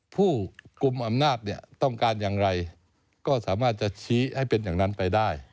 ผู้กลุ่มอำนาจเนี่ยต้องการอย่างไรก็สามารถจะชี้ให้เป็นอย่างนั้นไปได้